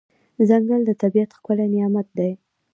ځنګل د طبیعت ښکلی نعمت دی.